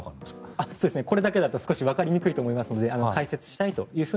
これだけだと少しわかりにくいと思いますので解説します。